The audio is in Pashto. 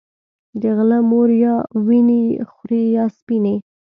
د غله مور يا وينې خورې يا سپينې